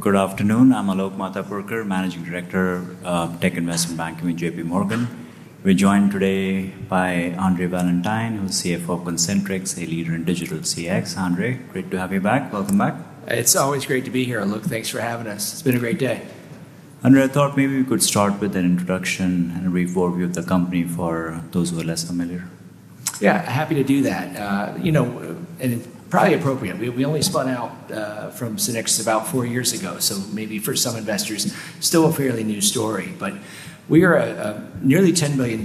Good afternoon. I'm Alok Matapurkar, Managing Director of Tech Investment Banking with JPMorgan. We're joined today by Andre Valentine, who's CFO of Concentrix, a leader in digital CX. Andre, great to have you back. Welcome back. It's always great to be here. Alok, thanks for having us. It's been a great day. Andre, I thought maybe we could start with an introduction and a brief overview of the company for those who are less familiar. Yeah, happy to do that. You know, and probably appropriate. We only spun out from SYNNEX about four years ago, so maybe for some investors, still a fairly new story. But we are a nearly $10 billion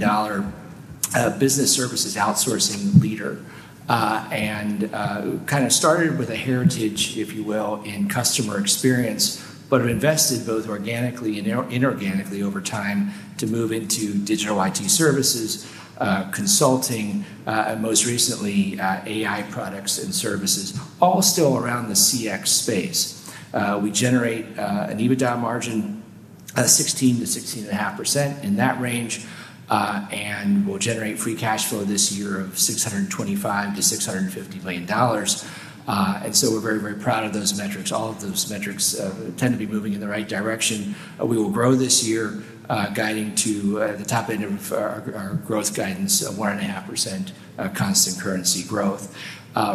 business services outsourcing leader, and kind of started with a heritage, if you will, in customer experience, but have invested both organically and inorganically over time to move into digital IT services, consulting, and most recently, AI products and services, all still around the CX space. We generate an EBITDA margin of 16%-16.5% in that range, and we'll generate free cash flow this year of $625 million-$650 million. We are very, very proud of those metrics. All of those metrics tend to be moving in the right direction. We will grow this year, guiding to the top end of our growth guidance, 1.5% constant currency growth.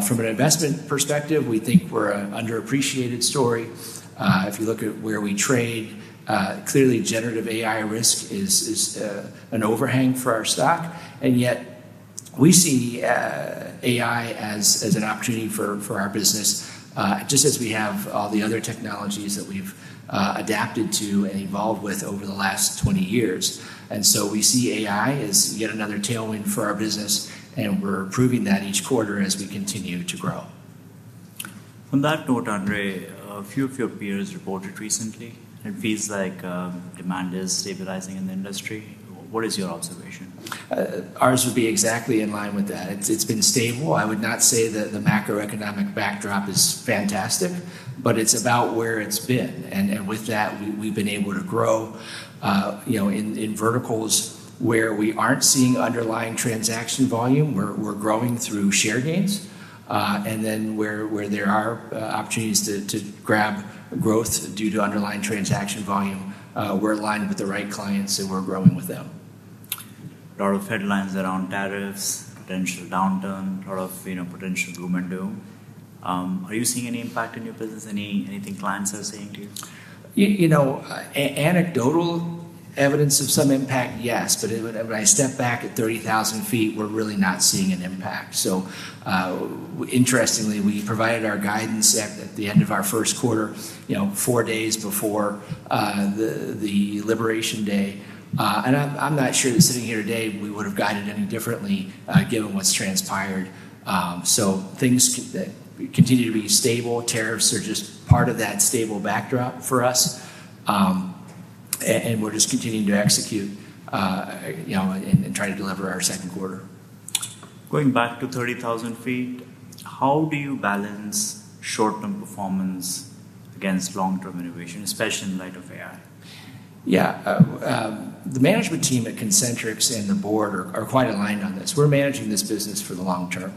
From an investment perspective, we think we're an underappreciated story. If you look at where we trade, clearly generative AI risk is an overhang for our stock. Yet we see AI as an opportunity for our business, just as we have all the other technologies that we've adapted to and evolved with over the last 20 years. We see AI as yet another tailwind for our business, and we're proving that each quarter as we continue to grow. On that note, Andre, a few of your peers reported recently, and it feels like demand is stabilizing in the industry. What is your observation? Ours would be exactly in line with that. It's been stable. I would not say that the macroeconomic backdrop is fantastic, but it's about where it's been. With that, we've been able to grow in verticals where we aren't seeing underlying transaction volume. We're growing through share gains. Where there are opportunities to grab growth due to underlying transaction volume, we're aligned with the right clients and we're growing with them. A lot of headlines around tariffs, potential downturn, a lot of potential boom and doom. Are you seeing any impact in your business? Anything clients are saying to you? You know, anecdotal evidence of some impact, yes. But when I step back at 30,000 ft, we're really not seeing an impact. Interestingly, we provided our guidance at the end of our first quarter, four days before the Liberation Day. I'm not sure that sitting here today, we would have guided any differently given what's transpired. Things continue to be stable. Tariffs are just part of that stable backdrop for us. We're just continuing to execute and try to deliver our second quarter. Going back to 30,000 ft, how do you balance short-term performance against long-term innovation, especially in light of AI? Yeah, the management team at Concentrix and the board are quite aligned on this. We're managing this business for the long term.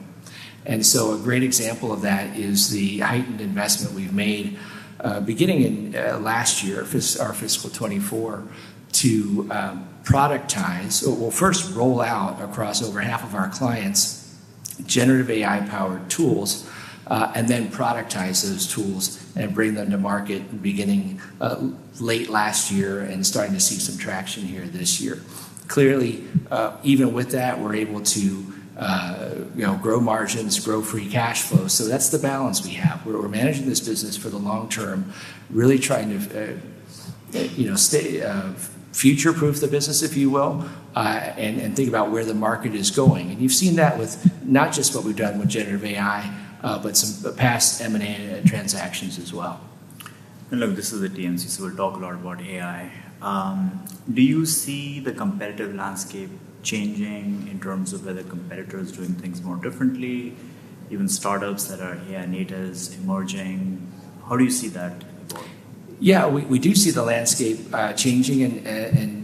A great example of that is the heightened investment we've made beginning in last year, our fiscal 2024, to productize, well, first roll out across over half of our clients' generative AI-powered tools, and then productize those tools and bring them to market beginning late last year and starting to see some traction here this year. Clearly, even with that, we're able to grow margins, grow free cash flow. That is the balance we have. We're managing this business for the long term, really trying to future-proof the business, if you will, and think about where the market is going. You have seen that with not just what we've done with generative AI, but some past M&A transactions as well. Look, this is a DNC, so we'll talk a lot about AI. Do you see the competitive landscape changing in terms of whether competitors are doing things more differently, even startups that are AI natives emerging? How do you see that evolving? Yeah, we do see the landscape changing.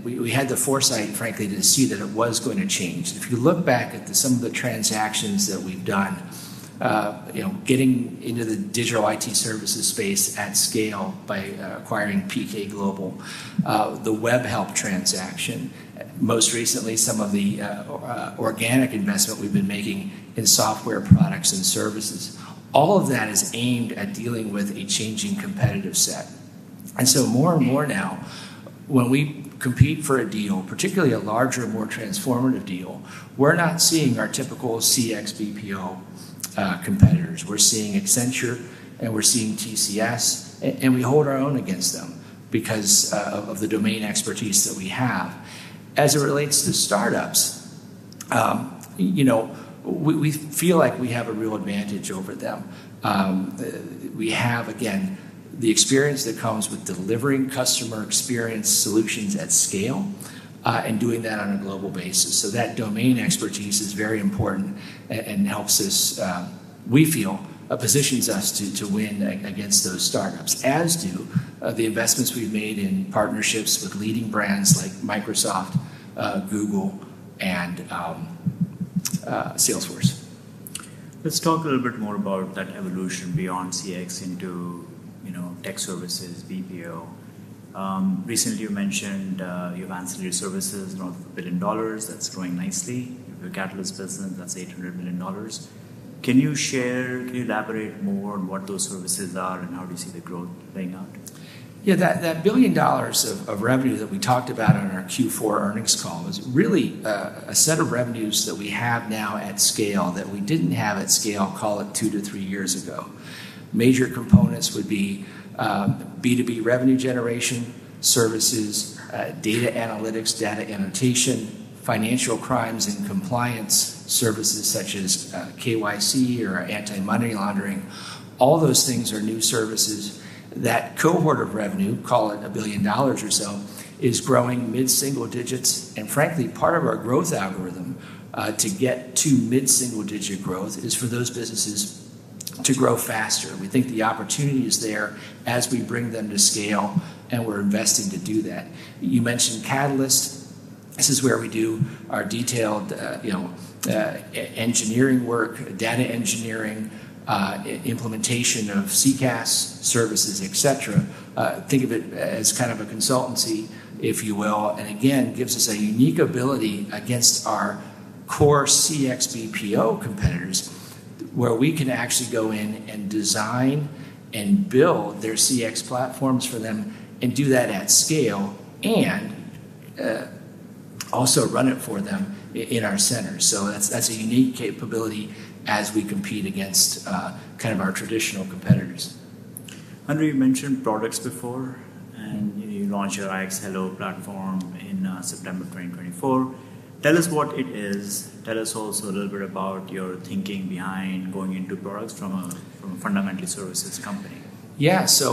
We had the foresight, frankly, to see that it was going to change. If you look back at some of the transactions that we've done, getting into the digital IT services space at scale by acquiring PK Global, the WebHelp transaction, most recently, some of the organic investment we've been making in software products and services, all of that is aimed at dealing with a changing competitive set. More and more now, when we compete for a deal, particularly a larger, more transformative deal, we're not seeing our typical CX BPO competitors. We're seeing Accenture, and we're seeing TCS, and we hold our own against them because of the domain expertise that we have. As it relates to startups, we feel like we have a real advantage over them. We have, again, the experience that comes with delivering customer experience solutions at scale and doing that on a global basis. That domain expertise is very important and helps us, we feel, positions us to win against those startups, as do the investments we've made in partnerships with leading brands like Microsoft, Google, and Salesforce. Let's talk a little bit more about that evolution beyond CX into tech services, BPO. Recently, you mentioned you've ancillary services, north of $1 billion. That's growing nicely. Your Catalyst business, that's $800 million. Can you share, can you elaborate more on what those services are and how do you see the growth playing out? Yeah, that billion dollars of revenue that we talked about on our Q4 earnings call is really a set of revenues that we have now at scale that we didn't have at scale, call it two to three years ago. Major components would be B2B revenue generation, services, data analytics, data annotation, financial crimes and compliance services such as KYC or anti-money laundering. All those things are new services. That cohort of revenue, call it a billion dollars or so, is growing mid-single digits. Frankly, part of our growth algorithm to get to mid-single digit growth is for those businesses to grow faster. We think the opportunity is there as we bring them to scale, and we're investing to do that. You mentioned Catalyst. This is where we do our detailed engineering work, data engineering, implementation of CCaaS services, et cetera. Think of it as kind of a consultancy, if you will. It gives us a unique ability against our core CX BPO competitors, where we can actually go in and design and build their CX platforms for them and do that at scale and also run it for them in our centers. That is a unique capability as we compete against kind of our traditional competitors. Andre, you mentioned products before, and you launched your iX Hello platform in September 2024. Tell us what it is. Tell us also a little bit about your thinking behind going into products from a fundamentally services company. Yeah, so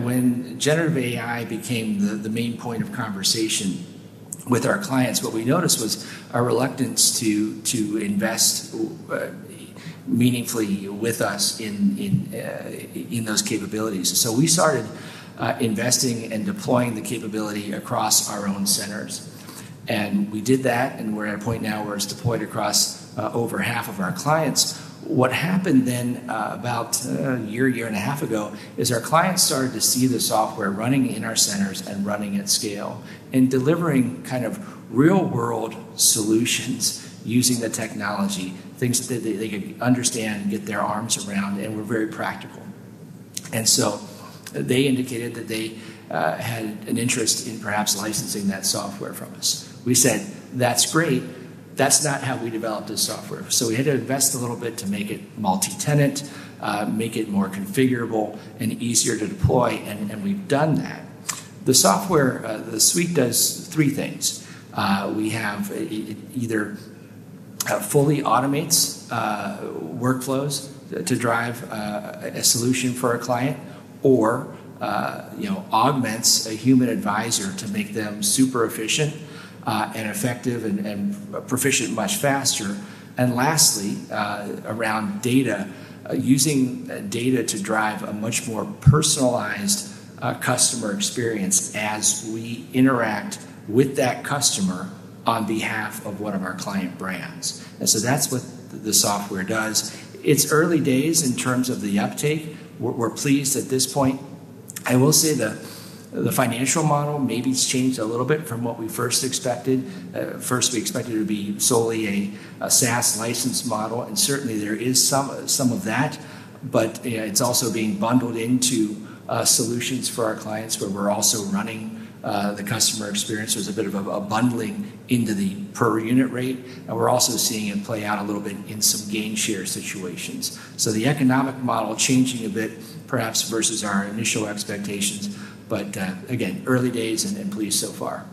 when generative AI became the main point of conversation with our clients, what we noticed was a reluctance to invest meaningfully with us in those capabilities. We started investing and deploying the capability across our own centers. We did that, and we're at a point now where it's deployed across over half of our clients. What happened then about a year, year and a half ago is our clients started to see the software running in our centers and running at scale and delivering kind of real-world solutions using the technology, things that they could understand and get their arms around, and were very practical. They indicated that they had an interest in perhaps licensing that software from us. We said, that's great. That's not how we developed this software. We had to invest a little bit to make it multi-tenant, make it more configurable and easier to deploy, and we've done that. The software, the suite does three things. We have either fully automates workflows to drive a solution for a client or augments a human advisor to make them super efficient and effective and proficient much faster. Lastly, around data, using data to drive a much more personalized customer experience as we interact with that customer on behalf of one of our client brands. That's what the software does. It's early days in terms of the uptake. We're pleased at this point. I will say the financial model maybe has changed a little bit from what we first expected. First, we expected it to be solely a SaaS license model, and certainly there is some of that, but it's also being bundled into solutions for our clients where we're also running the customer experience. There's a bit of a bundling into the per unit rate, and we're also seeing it play out a little bit in some game share situations. The economic model is changing a bit, perhaps versus our initial expectations, but again, early days and pleased so far.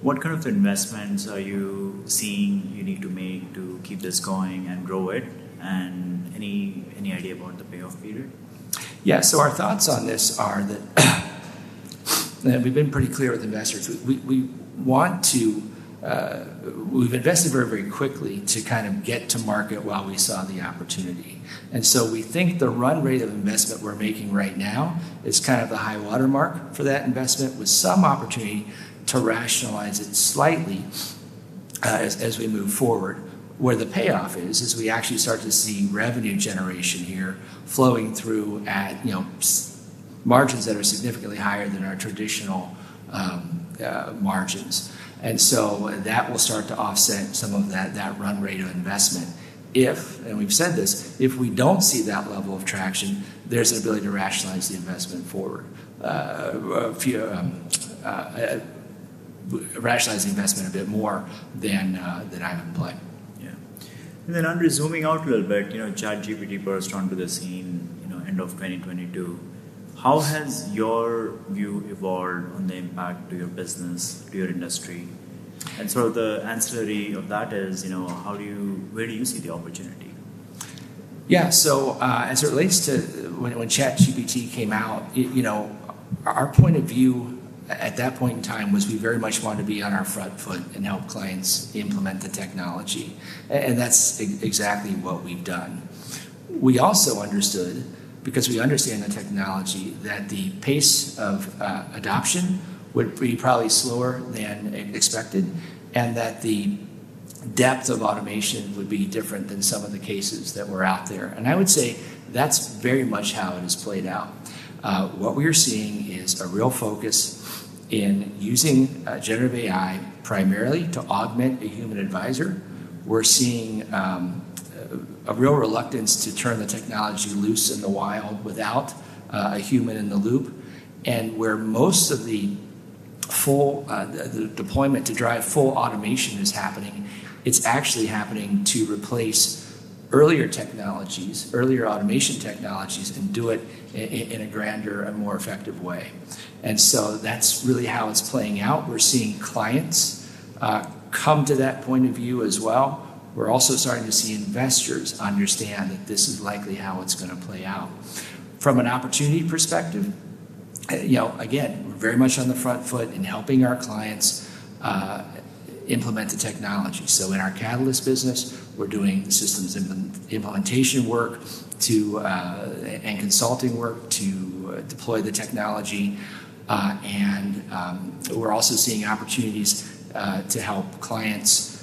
What kind of investments are you seeing you need to make to keep this going and grow it? Any idea about the payoff period? Yeah, so our thoughts on this are that we've been pretty clear with investors. We want to, we've invested very, very quickly to kind of get to market while we saw the opportunity. We think the run rate of investment we're making right now is kind of the high watermark for that investment, with some opportunity to rationalize it slightly as we move forward. Where the payoff is, is we actually start to see revenue generation here flowing through at margins that are significantly higher than our traditional margins. That will start to offset some of that run rate of investment. If, and we've said this, if we don't see that level of traction, there's an ability to rationalize the investment forward, rationalize the investment a bit more than I have in play. Yeah. Andre, zooming out a little bit, ChatGPT burst onto the scene end of 2022. How has your view evolved on the impact to your business, to your industry? The ancillary of that is, where do you see the opportunity? Yeah, so as it relates to when ChatGPT came out, our point of view at that point in time was we very much wanted to be on our front foot and help clients implement the technology. That is exactly what we've done. We also understood, because we understand the technology, that the pace of adoption would be probably slower than expected and that the depth of automation would be different than some of the cases that were out there. I would say that is very much how it has played out. What we are seeing is a real focus in using generative AI primarily to augment a human advisor. We're seeing a real reluctance to turn the technology loose in the wild without a human in the loop. Where most of the full deployment to drive full automation is happening, it's actually happening to replace earlier technologies, earlier automation technologies, and do it in a grander and more effective way. That is really how it's playing out. We're seeing clients come to that point of view as well. We're also starting to see investors understand that this is likely how it's going to play out. From an opportunity perspective, again, we're very much on the front foot in helping our clients implement the technology. In our Catalyst business, we're doing systems implementation work and consulting work to deploy the technology. We're also seeing opportunities to help clients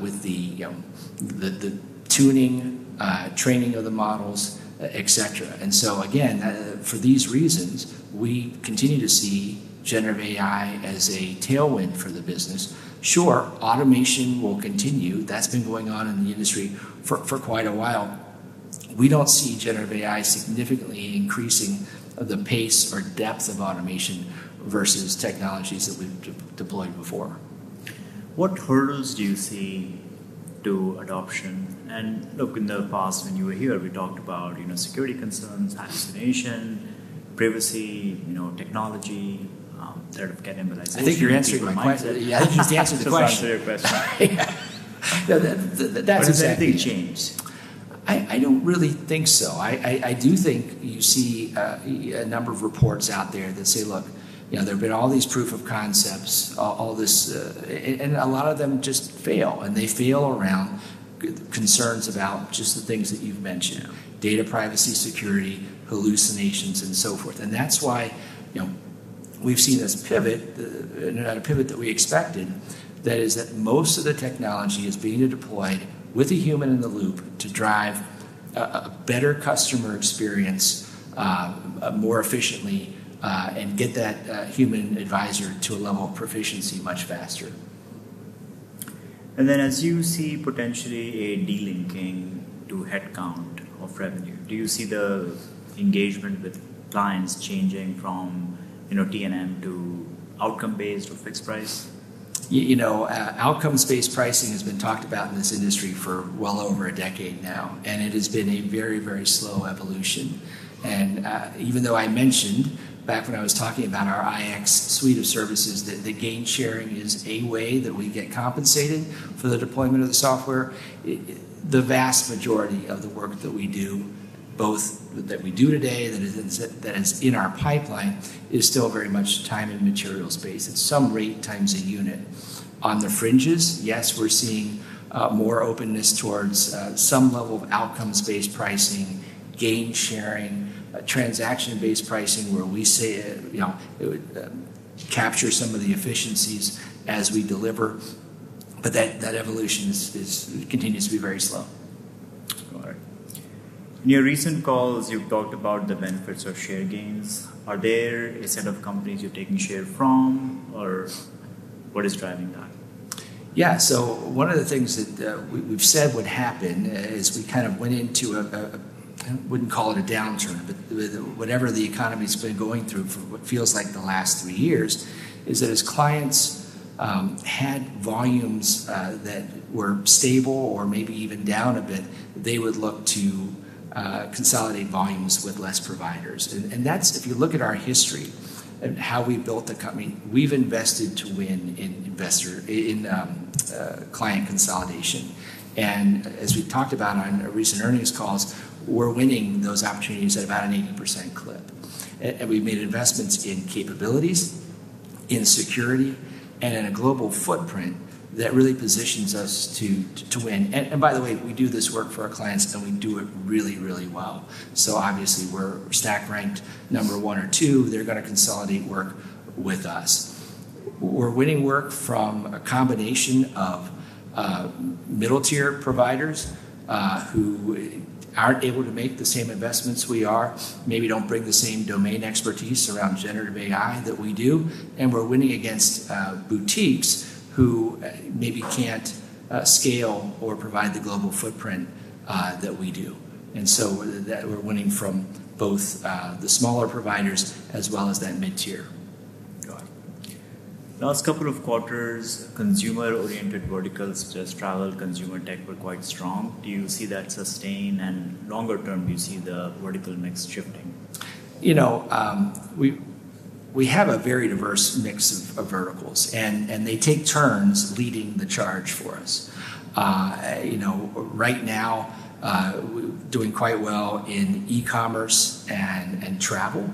with the tuning, training of the models, et cetera. For these reasons, we continue to see generative AI as a tailwind for the business. Sure, automation will continue. That's been going on in the industry for quite a while. We don't see generative AI significantly increasing the pace or depth of automation versus technologies that we've deployed before. What hurdles do you see to adoption? In the past, when you were here, we talked about security concerns, hallucination, privacy, technology, sort of cannibalization. I think you're answering my question. Yeah, I think you just answered the question. That's the question. Yeah. Or has anything changed? I don't really think so. I do think you see a number of reports out there that say, look, there have been all these proof of concepts, all this, and a lot of them just fail. They fail around concerns about just the things that you've mentioned, data privacy, security, hallucinations, and so forth. That is why we've seen this pivot, not a pivot that we expected, that is that most of the technology is being deployed with a human in the loop to drive a better customer experience more efficiently and get that human advisor to a level of proficiency much faster. As you see potentially a delinking to headcount of revenue, do you see the engagement with clients changing from TNM to outcome-based or fixed price? You know, outcome-based pricing has been talked about in this industry for well over a decade now, and it has been a very, very slow evolution. Even though I mentioned back when I was talking about our iX suite of services, that the gain sharing is a way that we get compensated for the deployment of the software, the vast majority of the work that we do, both that we do today that is in our pipeline, is still very much time and material space. At some rate, times a unit on the fringes, yes, we're seeing more openness towards some level of outcome-based pricing, gain sharing, transaction-based pricing, where we say it captures some of the efficiencies as we deliver. That evolution continues to be very slow. All right. In your recent calls, you've talked about the benefits of share gains. Are there a set of companies you're taking share from, or what is driving that? Yeah, so one of the things that we've said would happen is we kind of went into a, I wouldn't call it a downturn, but whatever the economy's been going through for what feels like the last three years is that as clients had volumes that were stable or maybe even down a bit, they would look to consolidate volumes with less providers. That's, if you look at our history and how we built the company, we've invested to win in client consolidation. As we've talked about on recent earnings calls, we're winning those opportunities at about an 80% clip. We've made investments in capabilities, in security, and in a global footprint that really positions us to win. By the way, we do this work for our clients, and we do it really, really well. Obviously, we're stack ranked number one or two. They're going to consolidate work with us. We're winning work from a combination of middle-tier providers who aren't able to make the same investments we are, maybe don't bring the same domain expertise around generative AI that we do. We're winning against boutiques who maybe can't scale or provide the global footprint that we do. We're winning from both the smaller providers as well as that mid-tier. Last couple of quarters, consumer-oriented verticals such as travel, consumer tech were quite strong. Do you see that sustained? Longer term, do you see the vertical mix shifting? You know, we have a very diverse mix of verticals, and they take turns leading the charge for us. Right now, doing quite well in e-commerce and travel.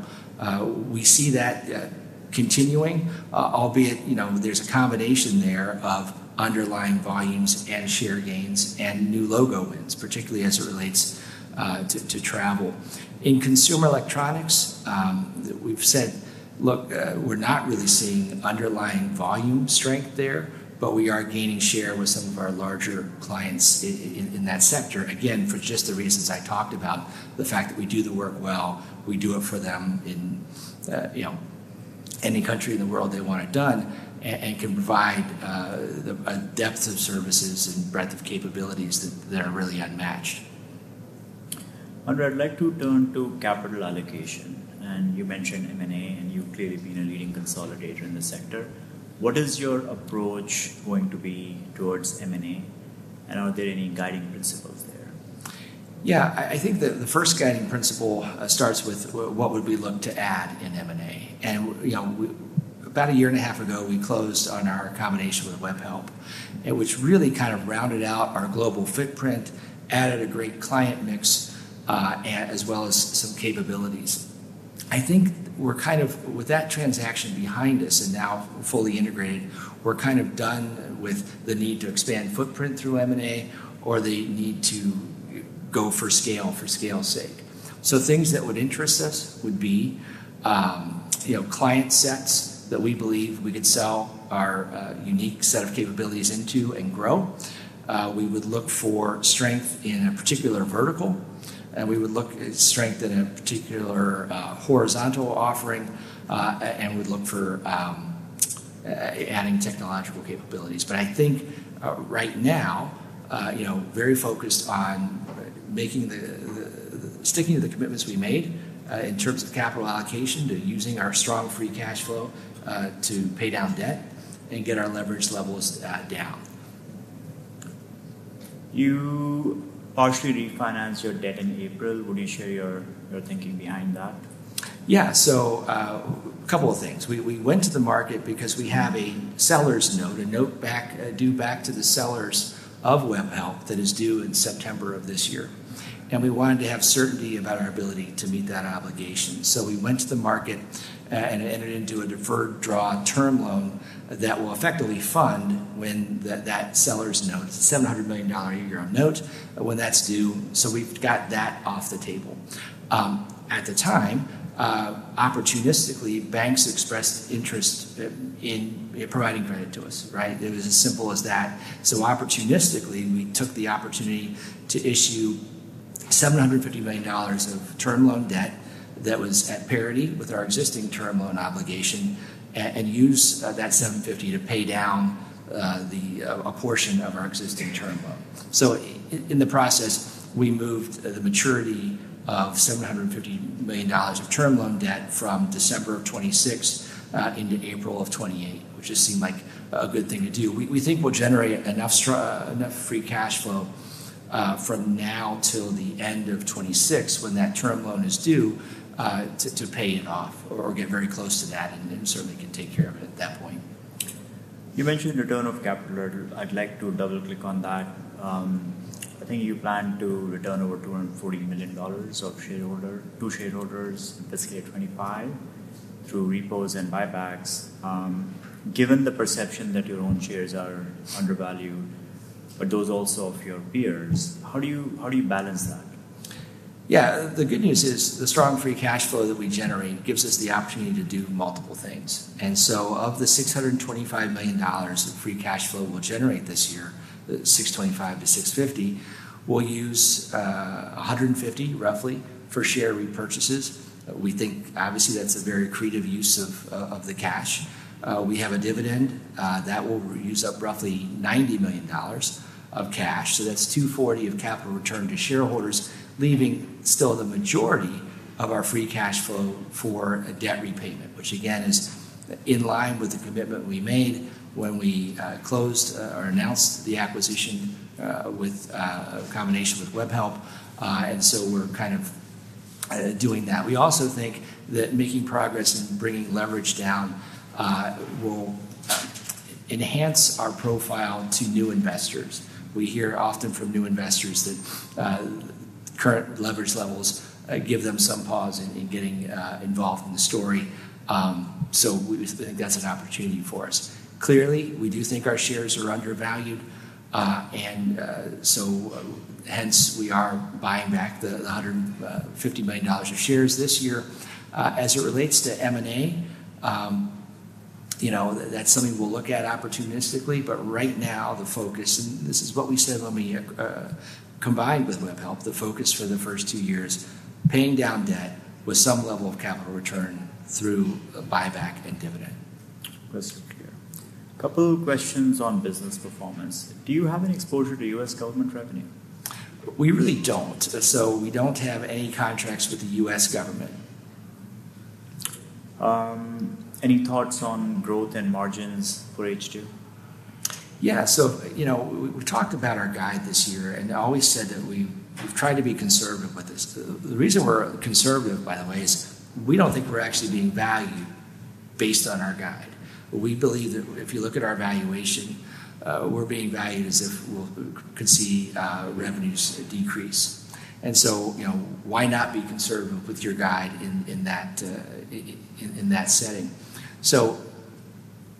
We see that continuing, albeit there's a combination there of underlying volumes and share gains and new logo wins, particularly as it relates to travel. In consumer electronics, we've said, look, we're not really seeing underlying volume strength there, but we are gaining share with some of our larger clients in that sector, again, for just the reasons I talked about, the fact that we do the work well, we do it for them in any country in the world they want it done, and can provide a depth of services and breadth of capabilities that are really unmatched. Andre, I'd like to turn to capital allocation. You mentioned M&A, and you've clearly been a leading consolidator in the sector. What is your approach going to be towards M&A? Are there any guiding principles there? Yeah, I think the first guiding principle starts with what would we look to add in M&A. About a year and a half ago, we closed on our combination with WebHelp, which really kind of rounded out our global footprint, added a great client mix, as well as some capabilities. I think we're kind of, with that transaction behind us and now fully integrated, we're kind of done with the need to expand footprint through M&A or the need to go for scale for scale's sake. Things that would interest us would be client sets that we believe we could sell our unique set of capabilities into and grow. We would look for strength in a particular vertical, and we would look at strength in a particular horizontal offering, and we'd look for adding technological capabilities. I think right now, very focused on making the sticking to the commitments we made in terms of capital allocation to using our strong free cash flow to pay down debt and get our leverage levels down. You partially refinanced your debt in April. Would you share your thinking behind that? Yeah, so a couple of things. We went to the market because we have a seller's note, a note due back to the sellers of WebHelp that is due in September of this year. We wanted to have certainty about our ability to meet that obligation. We went to the market and entered into a deferred draw term loan that will effectively fund when that seller's note, it's a $700 million a year note, when that's due. We've got that off the table. At the time, opportunistically, banks expressed interest in providing credit to us, right? It was as simple as that. Opportunistically, we took the opportunity to issue $750 million of term loan debt that was at parity with our existing term loan obligation and used that $750 million to pay down a portion of our existing term loan. In the process, we moved the maturity of $750 million of term loan debt from December of 2026 into April of 2028, which just seemed like a good thing to do. We think we'll generate enough free cash flow from now till the end of 2026 when that term loan is due to pay it off or get very close to that and certainly can take care of it at that point. You mentioned return of capital. I'd like to double-click on that. I think you plan to return over $240 million to shareholders in fiscal year 2025 through repos and buybacks. Given the perception that your own shares are undervalued, but those also of your peers, how do you balance that? Yeah, the good news is the strong free cash flow that we generate gives us the opportunity to do multiple things. Of the $625 million of free cash flow we'll generate this year, $625 million-$650 million, we'll use $150 million, roughly, for share repurchases. We think, obviously, that's a very creative use of the cash. We have a dividend that will use up roughly $90 million of cash. That's $240 million of capital return to shareholders, leaving still the majority of our free cash flow for debt repayment, which again is in line with the commitment we made when we closed or announced the acquisition with a combination with WebHelp. We're kind of doing that. We also think that making progress and bringing leverage down will enhance our profile to new investors. We hear often from new investors that current leverage levels give them some pause in getting involved in the story. We think that's an opportunity for us. Clearly, we do think our shares are undervalued. Hence, we are buying back the $150 million of shares this year. As it relates to M&A, that's something we'll look at opportunistically. Right now, the focus, and this is what we said when we combined with WebHelp, the focus for the first two years is paying down debt with some level of capital return through buyback and dividend. Couple of questions on business performance. Do you have any exposure to U.S. government revenue? We really don't. So we don't have any contracts with the U.S. government. Any thoughts on growth and margins for H2? Yeah, so we've talked about our guide this year, and I always said that we've tried to be conservative with this. The reason we're conservative, by the way, is we don't think we're actually being valued based on our guide. We believe that if you look at our valuation, we're being valued as if we could see revenues decrease. Why not be conservative with your guide in that setting?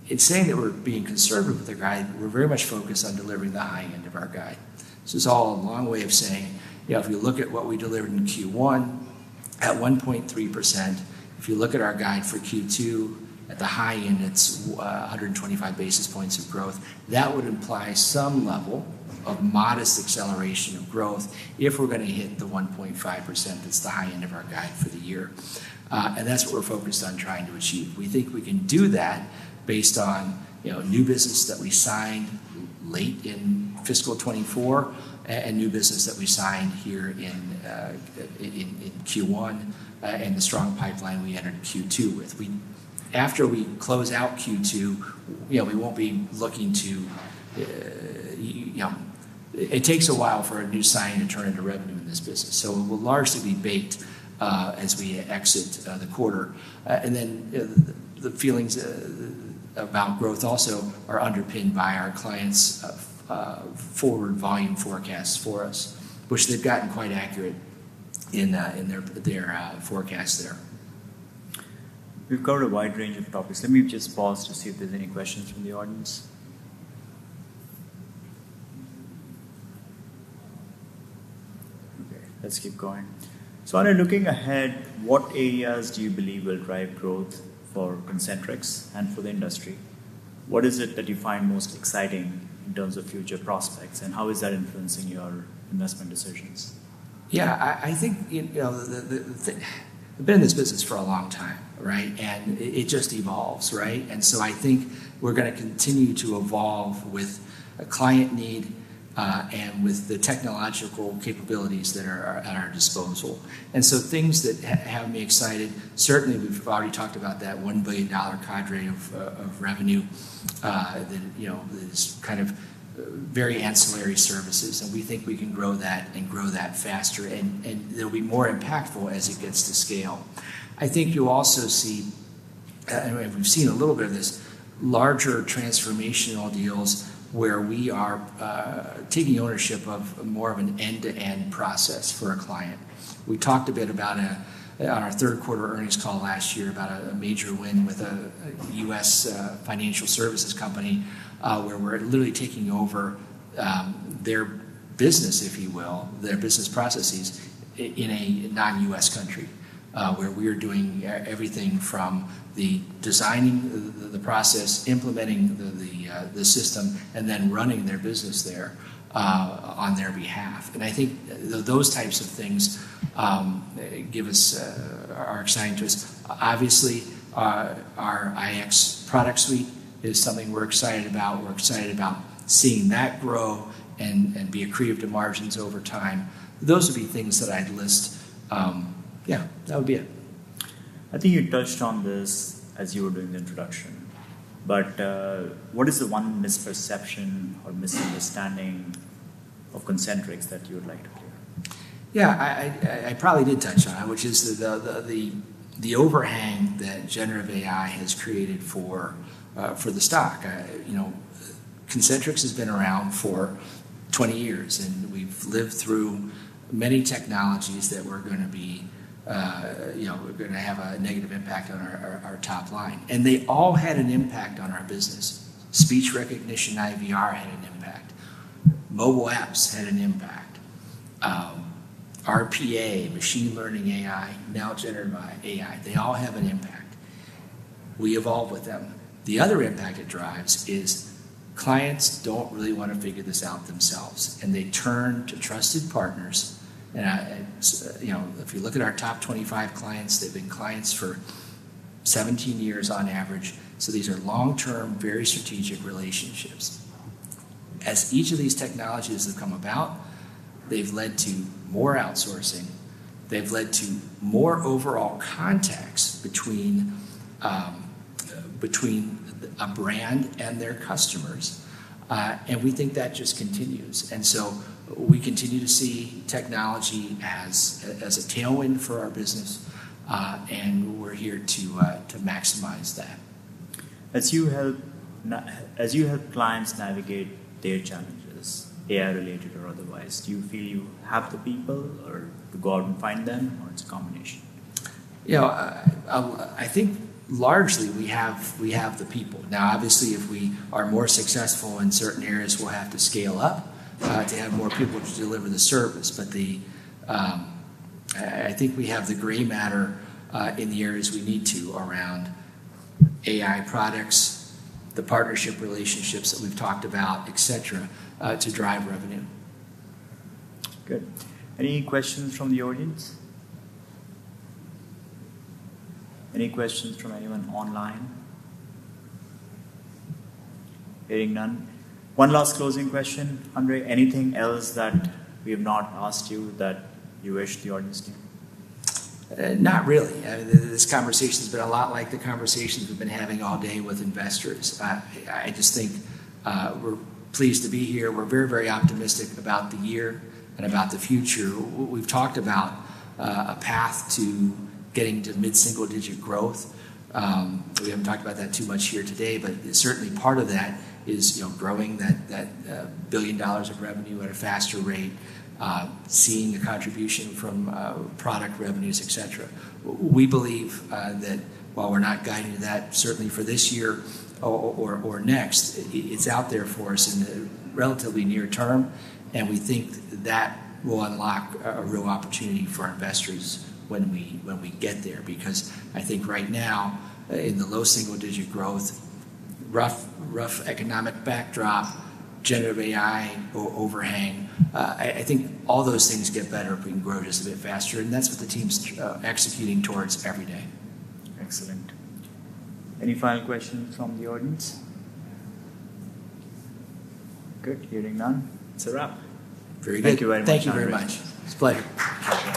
In saying that we're being conservative with our guide, we're very much focused on delivering the high end of our guide. It's all a long way of saying, if you look at what we delivered in Q1 at 1.3%, if you look at our guide for Q2 at the high end, it's 125 basis points of growth. That would imply some level of modest acceleration of growth if we're going to hit the 1.5% that's the high end of our guide for the year. That's what we're focused on trying to achieve. We think we can do that based on new business that we signed late in fiscal 2024 and new business that we signed here in Q1 and the strong pipeline we entered Q2 with. After we close out Q2, we won't be looking to it takes a while for a new sign to turn into revenue in this business. It will largely be baked as we exit the quarter. The feelings about growth also are underpinned by our clients' forward volume forecasts for us, which they've gotten quite accurate in their forecasts there. We've covered a wide range of topics. Let me just pause to see if there's any questions from the audience. Okay, let's keep going. So Andre, looking ahead, what areas do you believe will drive growth for Concentrix and for the industry? What is it that you find most exciting in terms of future prospects, and how is that influencing your investment decisions? Yeah, I think I've been in this business for a long time, right? It just evolves, right? I think we're going to continue to evolve with a client need and with the technological capabilities that are at our disposal. Things that have me excited, certainly we've already talked about that $1 billion cadre of revenue that is kind of very ancillary services. We think we can grow that and grow that faster, and it'll be more impactful as it gets to scale. I think you'll also see, and we've seen a little bit of this, larger transformational deals where we are taking ownership of more of an end-to-end process for a client. We talked a bit about it on our third quarter earnings call last year about a major win with a U.S. financial services company where we're literally taking over their business, if you will, their business processes in a non-U.S. country where we are doing everything from designing the process, implementing the system, and then running their business there on their behalf. I think those types of things are exciting to us. Obviously, our iX product suite is something we're excited about. We're excited about seeing that grow and be accretive to margins over time. Those would be things that I'd list. Yeah, that would be it. I think you touched on this as you were doing the introduction, but what is the one misperception or misunderstanding of Concentrix that you would like to clear? Yeah, I probably did touch on it, which is the overhang that generative AI has created for the stock. Concentrix has been around for 20 years, and we've lived through many technologies that were going to be going to have a negative impact on our top line. They all had an impact on our business. Speech recognition, IVR had an impact. Mobile apps had an impact. RPA, machine learning AI, now generative AI, they all have an impact. We evolve with them. The other impact it drives is clients don't really want to figure this out themselves, and they turn to trusted partners. If you look at our top 25 clients, they've been clients for 17 years on average. These are long-term, very strategic relationships. As each of these technologies have come about, they've led to more outsourcing. They've led to more overall contacts between a brand and their customers. We think that just continues. We continue to see technology as a tailwind for our business, and we're here to maximize that. As you help clients navigate their challenges, AI-related or otherwise, do you feel you have the people or go out and find them, or it's a combination? Yeah, I think largely we have the people. Now, obviously, if we are more successful in certain areas, we'll have to scale up to have more people to deliver the service. I think we have the gray matter in the areas we need to around AI products, the partnership relationships that we've talked about, etc., to drive revenue. Good. Any questions from the audience? Any questions from anyone online? Hearing none. One last closing question, Andre, anything else that we have not asked you that you wish the audience knew? Not really. This conversation has been a lot like the conversations we've been having all day with investors. I just think we're pleased to be here. We're very, very optimistic about the year and about the future. We've talked about a path to getting to mid-single-digit growth. We haven't talked about that too much here today, but certainly part of that is growing that billion dollars of revenue at a faster rate, seeing the contribution from product revenues, etc. We believe that while we're not guiding to that, certainly for this year or next, it's out there for us in the relatively near term. We think that will unlock a real opportunity for investors when we get there. Because I think right now, in the low single-digit growth, rough economic backdrop, generative AI overhang, I think all those things get better if we can grow just a bit faster. That's what the team's executing towards every day. Excellent. Any final questions from the audience? Good. Hearing none. It's a wrap. Very good. Thank you very much. It's a pleasure.